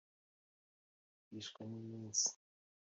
mvugishwa n’iminsi